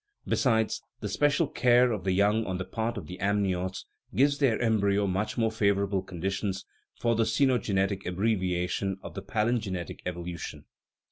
Besides, the special care of the young on the part of the amniotes gives their embryo much more favorable conditions for the cenogenetic abbre viation of the palingenetic evolution.